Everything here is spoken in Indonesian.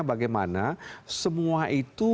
bagaimana semua itu